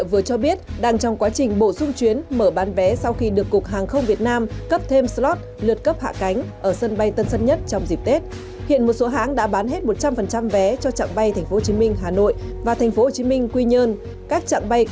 và tp hcm quy nhơn các trạng bay còn lại đã bán hơn sáu mươi số lượng vé cung ứng